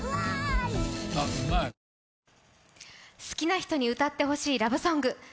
好きな人に歌ってほしいラブソング。